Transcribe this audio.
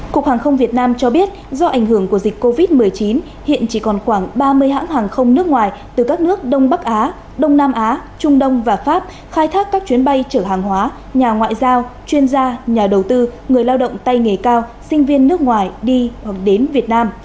cục hàng không việt nam cho biết do ảnh hưởng của dịch covid một mươi chín hiện chỉ còn khoảng ba mươi hãng hàng không nước ngoài từ các nước đông bắc á đông nam á trung đông và pháp khai thác các chuyến bay chở hàng hóa nhà ngoại giao chuyên gia nhà đầu tư người lao động tay nghề cao sinh viên nước ngoài đi đến việt nam